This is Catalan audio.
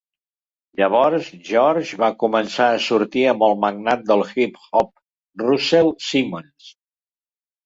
Llavors, George va començar a sortir amb el magnat del hip hop Russell Simmons.